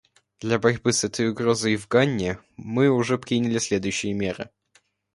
Для борьбы с этой угрозой в Гане мы уже приняли следующие меры.